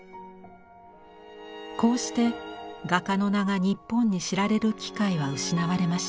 こうして画家の名が日本に知られる機会は失われました。